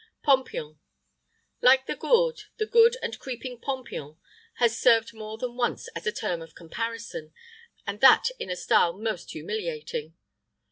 POMPION. Like the gourd, the good and creeping pompion has served more than once as a term of comparison, and that in a style most humiliating.